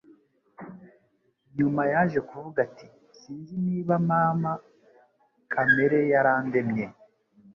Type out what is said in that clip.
Nyuma yaje kuvuga ati: Sinzi niba Mama Kamere yarandemye.